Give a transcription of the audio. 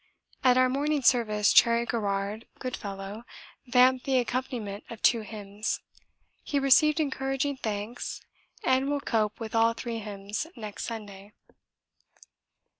At our morning service Cherry Garrard, good fellow, vamped the accompaniment of two hymns; he received encouraging thanks and will cope with all three hymns next Sunday.